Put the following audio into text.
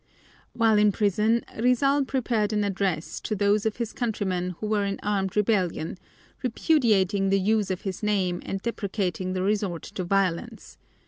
While in prison Rizal prepared an address to those of his countrymen who were in armed rebellion, repudiating the use of his name and deprecating the resort to violence.